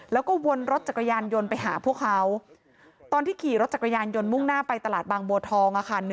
แล้วก็วนรถจักรยานยนต์ไปหาพวกเขาตอนที่ขี่รถจักรยานยนต์มุ่งหน้าไปตลาดบางบัวทอง